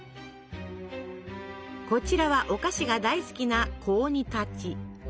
こちらはお菓子が大好きな小鬼たち。